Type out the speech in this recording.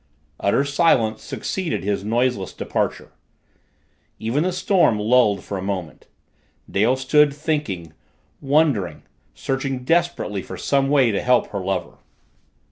Utter silence succeeded his noiseless departure. Even the storm lulled for a moment. Dale stood thinking, wondering, searching desperately for some way to help her lover.